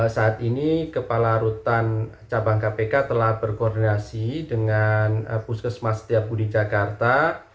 saat ini kepala rutan cabang kpk telah berkoordinasi dengan puskesmas setiabudi jakarta